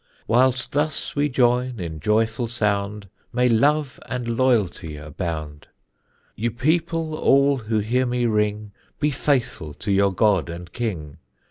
Whilst thus we join in joyful sound May love and loyalty abound. Ye people all who hear me ring Be faithful to your God and King.